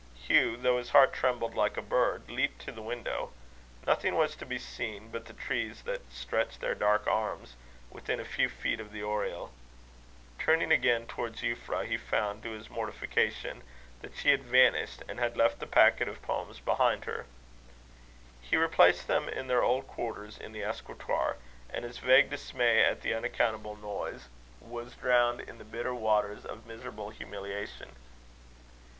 Hugh, though his heart trembled like a bird, leaped to the window. Nothing was to be seen but the trees that "stretched their dark arms" within a few feet of the oriel. Turning again towards Euphra, he found, to his mortification, that she had vanished and had left the packet of poems behind her. He replaced them in their old quarters in the escritoire; and his vague dismay at the unaccountable noises, was drowned in the bitter waters of miserable humiliation.